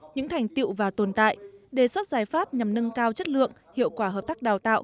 những thành tiệu và tồn tại đề xuất giải pháp nhằm nâng cao chất lượng hiệu quả hợp tác đào tạo